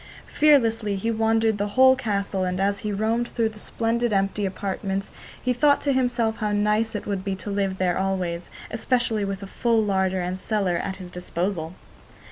Fearlessly he wandered the whole castle, and as he roamed through the splendid empty apartments he thought to himself how nice it would be to live there always, especially with a full larder and cellar at his disposal.